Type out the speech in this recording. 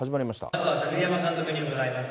ま栗山監督に伺います。